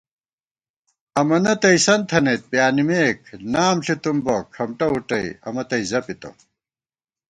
امَنہ تَئیسَن تھنَئیت پیانِمېک، نام ݪِتُم بہ کھمٹہ وُٹَئ امہ تئ زَپِتہ